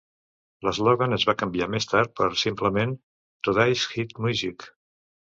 L'eslògan es va canviar més tard per simplement "Today's Hit Music".